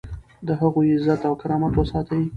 د هغوی عزت او کرامت وساتئ.